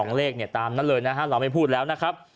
ชัดเจน๒เลขตามนั่นเลยเราไม่พูดแล้วนะครับ